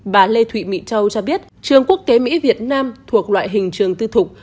bá lê thủy mỹ châu cho biết trường quốc tế mỹ việt nam thuộc loại hình trường tư thục